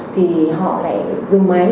thì họ lại dừng máy